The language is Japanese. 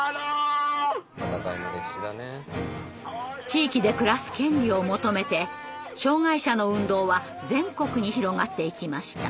地域で暮らす権利を求めて障害者の運動は全国に広がっていきました。